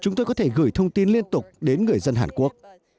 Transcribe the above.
chúng tôi có thể gửi thông tin liên tục đến người dân hàn quốc